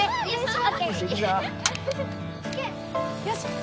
よし！